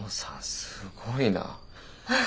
すごいな。